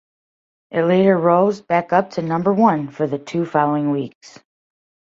It later rose back up to number one for the two following weeks.